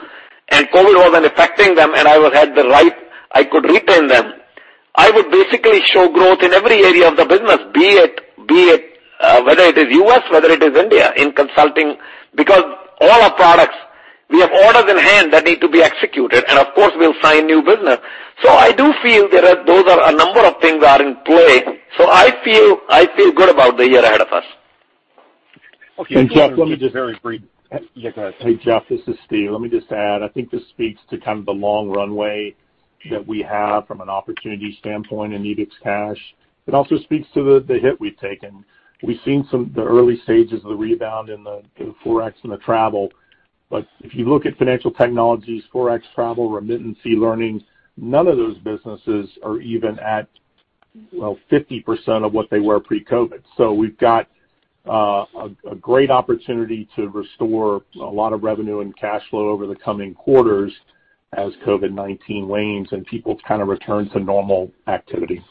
[SPEAKER 5] and COVID wasn't affecting them, and I would have the right, I could retain them, I would basically show growth in every area of the business, whether it is U.S., whether it is India in consulting. Because all our products, we have orders in hand that need to be executed, and of course, we'll sign new business. I do feel those are a number of things in play. I feel good about the year ahead of us.
[SPEAKER 6] Okay.
[SPEAKER 3] Jeff, let me just. Very brief.
[SPEAKER 6] Yeah, go ahead.
[SPEAKER 3] Hey, Jeff Van Rhee, this is Steve Hamil. Let me just add, I think this speaks to kind of the long runway that we have from an opportunity standpoint in EbixCash. It also speaks to the hit we've taken. We've seen some of the early stages of the rebound in the Forex and the travel. If you look at financial technologies, Forex, travel, remittance, e-learning, none of those businesses are even at, well, 50% of what they were pre-COVID. We've got a great opportunity to restore a lot of revenue and cash flow over the coming quarters as COVID-19 wanes and people kind of return to normal activity.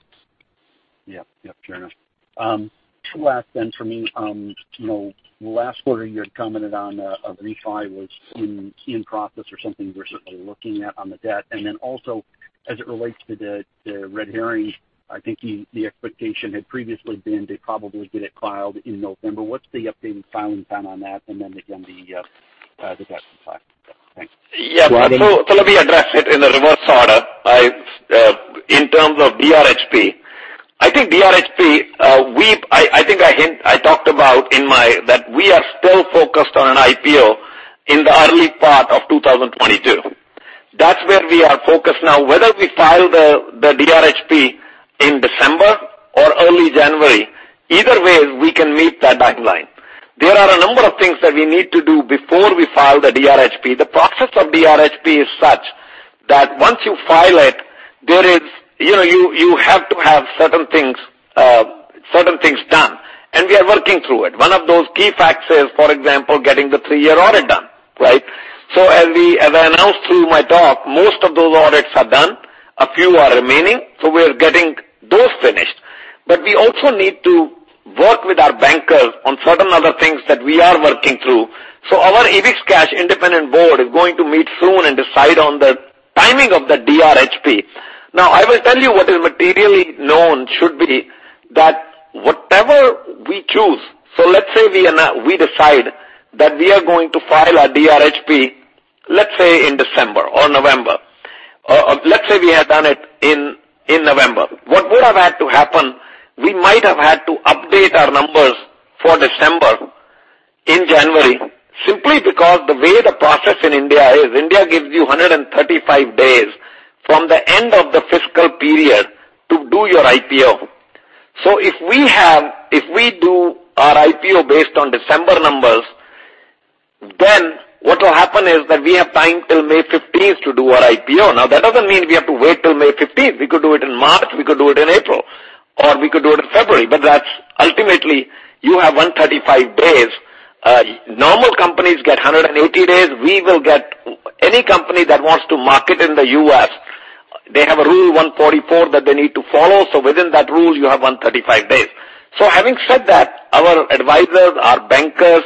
[SPEAKER 6] Yeah. Yep, fair enough. Two last then for me. You know, last quarter you had commented on a refi was in process or something you were certainly looking at on the debt. Also, as it relates to the red herring, I think the expectation had previously been to probably get it filed in November. What's the updated filing time on that? Again, the debt side. Thanks.
[SPEAKER 5] Let me address it in a reverse order. In terms of DRHP, I think we've talked about that we are still focused on an IPO in the early part of 2022. That's where we are focused now. Whether we file the DRHP in December or early January, either way, we can meet that deadline. There are a number of things that we need to do before we file the DRHP. The process of DRHP is such that once you file it, you know, you have to have certain things done, and we are working through it. One of those key factors is, for example, getting the three-year audit done, right? As I announced through my talk, most of those audits are done. Few are remaining, so we are getting those finished. We also need to work with our bankers on certain other things that we are working through. Our EbixCash independent board is going to meet soon and decide on the timing of the DRHP. Now, I will tell you what is materially known should be that whatever we choose. We decide that we are going to file our DRHP, let's say in December or November. Let's say we have done it in November. What would have had to happen, we might have had to update our numbers for December in January simply because the way the process in India is, India gives you 135 days from the end of the fiscal period to do your IPO. If we do our IPO based on December numbers, then what will happen is that we have time till May 15 to do our IPO. Now, that doesn't mean we have to wait till May 15. We could do it in March, we could do it in April, or we could do it in February. That's ultimately you have 135 days. Normal companies get 180 days. We will get. Any company that wants to market in the U.S., they have a Rule 144 that they need to follow. Within that rule, you have 135 days. Having said that, our advisors, our bankers,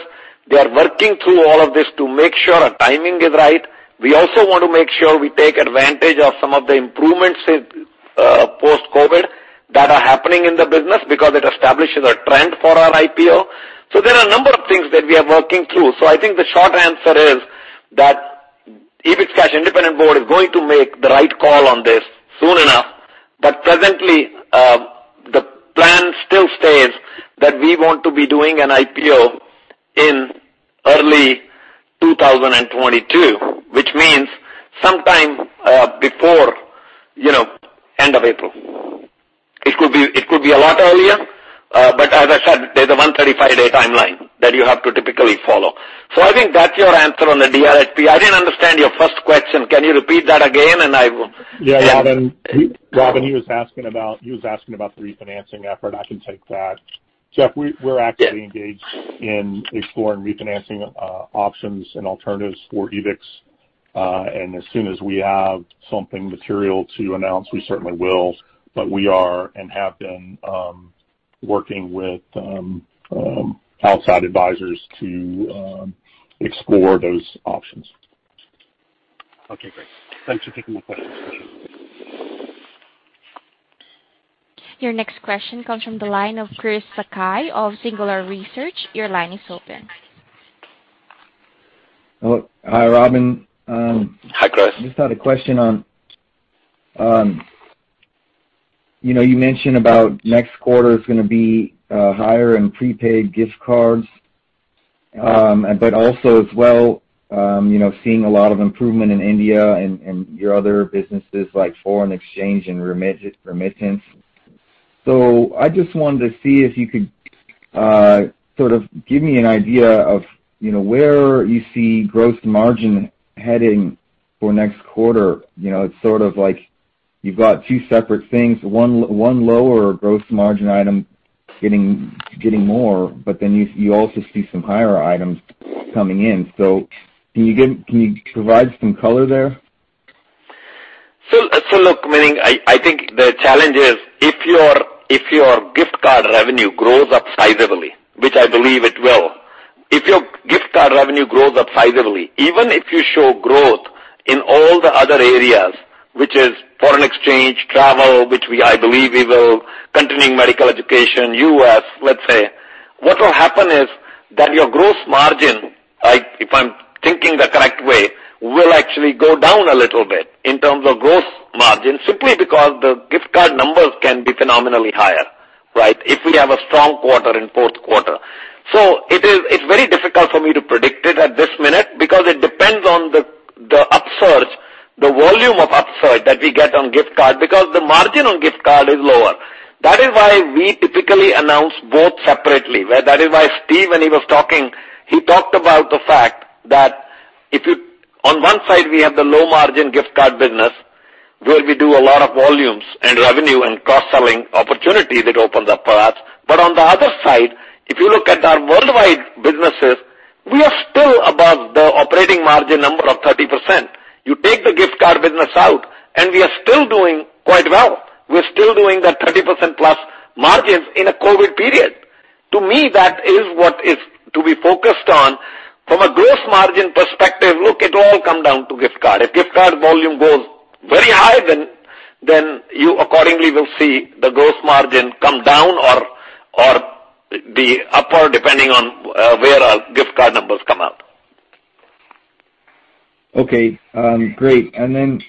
[SPEAKER 5] they are working through all of this to make sure our timing is right. We also want to make sure we take advantage of some of the improvements in post-COVID that are happening in the business because it establishes a trend for our IPO. There are a number of things that we are working through. I think the short answer is that EbixCash independent board is going to make the right call on this soon enough. Presently, the plan still stays that we want to be doing an IPO in early 2022, which means sometime before, you know, end of April. It could be a lot earlier. As I said, there's a 135-day timeline that you have to typically follow. I think that's your answer on the DRHP. I didn't understand your first question. Can you repeat that again and I will-
[SPEAKER 3] Yeah, Robin. Robin, he was asking about the refinancing effort. I can take that. Jeff, we're actively engaged in exploring refinancing options and alternatives for Ebix. And as soon as we have something material to announce, we certainly will. We are and have been working with outside advisors to explore those options.
[SPEAKER 6] Okay, great. Thanks for taking my questions.
[SPEAKER 1] Your next question comes from the line of Chris Sakai of Singular Research. Your line is open.
[SPEAKER 7] Hello. Hi, Robin.
[SPEAKER 5] Hi, Chris.
[SPEAKER 7] Just had a question on, you know, you mentioned about next quarter is gonna be higher in prepaid gift cards. But also as well, you know, seeing a lot of improvement in India and your other businesses like foreign exchange and remittance. So I just wanted to see if you could sort of give me an idea of, you know, where you see gross margin heading for next quarter. You know, it's sort of like you've got two separate things, one lower gross margin item getting more, but then you also see some higher items coming in. So can you provide some color there?
[SPEAKER 5] Look, meaning I think the challenge is if your gift card revenue grows up sizably, which I believe it will, even if you show growth in all the other areas, which is foreign exchange, travel, I believe we will, continuing medical education, US, let's say, what will happen is that your gross margin, if I'm thinking the correct way, will actually go down a little bit in terms of gross margin simply because the gift card numbers can be phenomenally higher, right? If we have a strong quarter in fourth quarter. It's very difficult for me to predict it at this minute because it depends on the upsurge, the volume of upsurge that we get on gift card, because the margin on gift card is lower. That is why we typically announce both separately. That's why Steve, when he was talking, he talked about the fact that if you on one side, we have the low margin gift card business, where we do a lot of volumes and revenue and cross-selling opportunity that opens up for us. On the other side, if you look at our worldwide businesses, we are still above the operating margin number of 30%. You take the gift card business out, and we are still doing quite well. We're still doing that 30%+ margins in a COVID-19 period. To me, that is what is to be focused on. From a gross margin perspective, look, it all come down to gift card. If gift card volume goes very high, then you accordingly will see the gross margin come down or be upward depending on where our gift card numbers come out.
[SPEAKER 7] Okay. Great. Then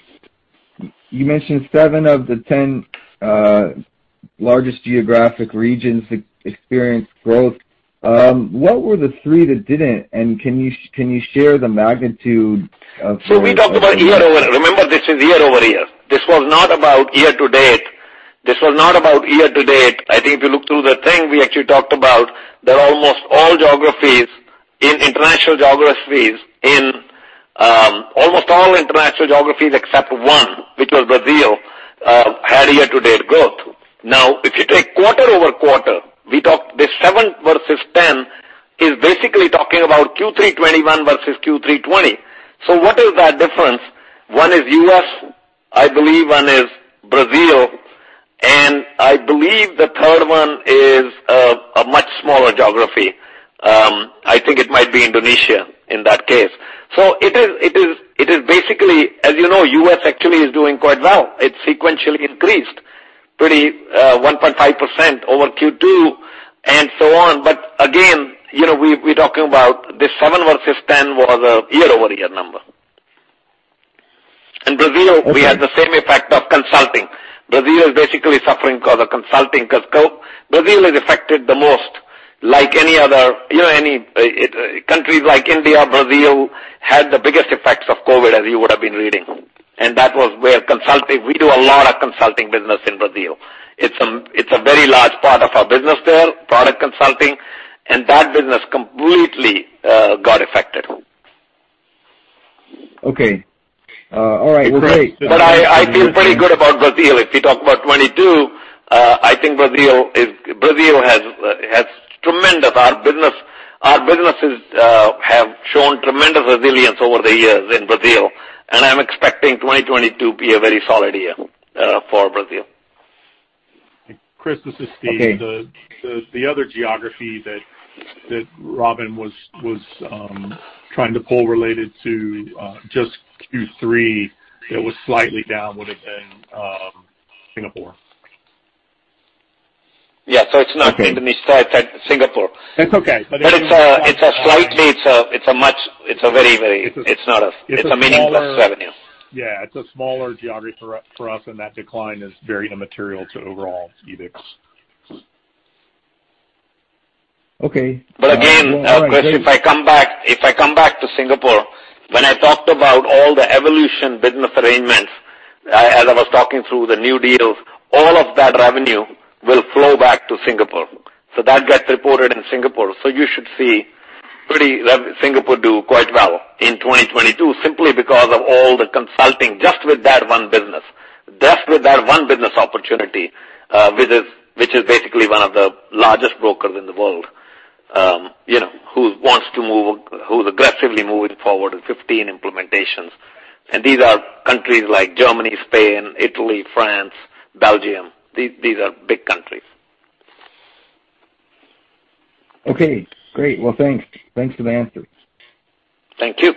[SPEAKER 7] you mentioned seven of the 10 largest geographic regions experienced growth. What were the three that didn't? Can you share the magnitude of-
[SPEAKER 5] We talked about year-over-year. Remember, this is year-over-year. This was not about year-to-date. I think if you look through the thing, we actually talked about that almost all international geographies except one, which was Brazil, had year-to-date growth. Now, if you take quarter-over-quarter, we talked the seven versus ten. Basically talking about Q3 2021 versus Q3 2020. What is that difference? One is U.S., I believe one is Brazil, and I believe the third one is a much smaller geography. I think it might be Indonesia in that case. It is basically. As you know, U.S. actually is doing quite well. It sequentially increased pretty 1.5% over Q2 and so on. Again, you know, we're talking about the seven versus 10 was a year-over-year number. In Brazil, we had the same effect of consulting. Brazil is basically suffering because of consulting because Brazil is affected the most like any other, you know, any IT countries like India. Brazil had the biggest effects of COVID as you would have been reading. That was where consulting. We do a lot of consulting business in Brazil. It's a very large part of our business there, product consulting, and that business completely got affected.
[SPEAKER 7] Okay. All right. Well, great.
[SPEAKER 5] I feel pretty good about Brazil. If you talk about 2022, I think our businesses have shown tremendous resilience over the years in Brazil, and I'm expecting 2020 to be a very solid year for Brazil.
[SPEAKER 3] Chris, this is Steve.
[SPEAKER 7] Okay.
[SPEAKER 3] The other geography that Robin was trying to pull related to just Q3 that was slightly down would have been Singapore.
[SPEAKER 5] Yeah.
[SPEAKER 3] Okay.
[SPEAKER 5] Indonesia. It's, Singapore.
[SPEAKER 3] That's okay. It wasn't quite.
[SPEAKER 5] It's not a
[SPEAKER 3] It's a smaller.
[SPEAKER 5] It's a meaningless revenue.
[SPEAKER 3] Yeah. It's a smaller geography for us, and that decline is very immaterial to overall Ebix.
[SPEAKER 7] Okay. Well, great.
[SPEAKER 5] Again, Chris, if I come back to Singapore, when I talked about all the Ebix Evolution business arrangements, as I was talking through the new deals, all of that revenue will flow back to Singapore. That gets reported in Singapore. You should see Singapore do quite well in 2022 simply because of all the consulting just with that one business opportunity, which is basically one of the largest brokers in the world, you know, who wants to move, who's aggressively moving forward with 15 implementations. These are countries like Germany, Spain, Italy, France, Belgium. These are big countries.
[SPEAKER 7] Okay, great. Well, thanks. Thanks for the answers.
[SPEAKER 5] Thank you.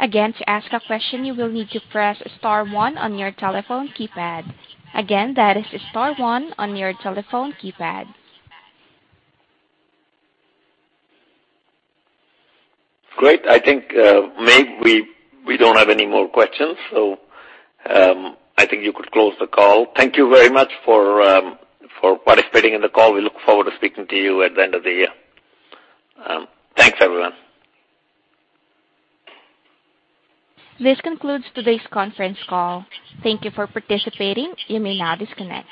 [SPEAKER 1] Again, to ask a question, you will need to press star one on your telephone keypad. Again, that is star one on your telephone keypad.
[SPEAKER 5] Great. I think, maybe we don't have any more questions. I think you could close the call. Thank you very much for participating in the call. We look forward to speaking to you at the end of the year. Thanks, everyone.
[SPEAKER 1] This concludes today's conference call. Thank you for participating. You may now disconnect.